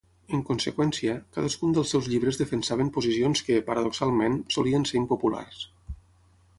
En conseqüència, cadascun dels seus llibres defensaven posicions que, paradoxalment, solien ser impopulars.